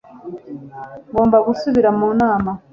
Ngomba gusubira mu nama